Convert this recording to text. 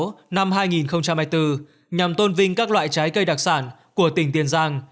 lễ hội trái cây tiền giang năm hai nghìn hai mươi bốn nhằm tôn vinh các loại trái cây đặc sản của tỉnh tiền giang